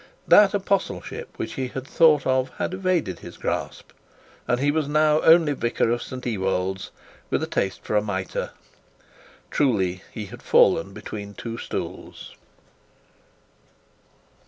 That apostleship that he had thought of had evaded his grasp, and he was now only vicar of St Ewold's, with a taste for a mitre. Truly he had fallen between two stools.